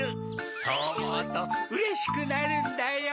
そうおもうとうれしくなるんだよ。